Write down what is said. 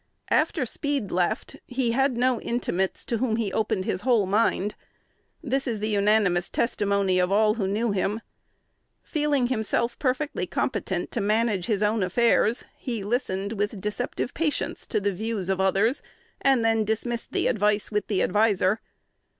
After Speed left, he had no intimates to whom he opened his whole mind. This is the unanimous testimony of all who knew him. Feeling himself perfectly competent to manage his own affairs, he listened with deceptive patience to the views of others, and then dismissed the advice with the adviser.